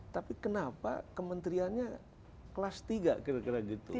tapi kenapa kementeriannya kelas tiga kira kira gitu